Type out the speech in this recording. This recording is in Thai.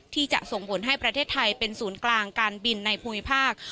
ที่จะส่งผลให้ประเทศไทยเป็นศูนย์กลางการบินในภูมิภาค